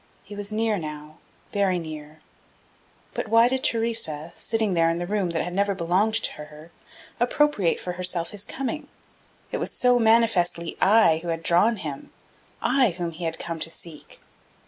He was near now, very near, but why did Theresa, sitting there in the room that had never belonged to her, appropriate for herself his coming? It was so manifestly I who had drawn him, I whom he had come to seek.